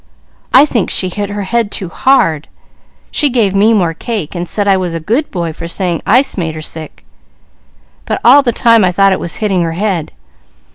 I think she hit her head too hard. She gave me more cake, and said I was a good boy for saying the ice made her sick, but all the time I thought it was hitting her head.